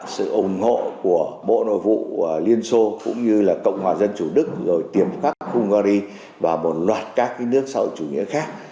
sự ủng hộ của bộ nội vụ liên xô cũng như cộng hòa dân chủ đức tiếp pháp hungary và một loạt các nước sau chủ nghĩa khác